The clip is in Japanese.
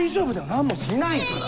何もしないから！